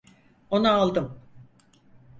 Onu aldım.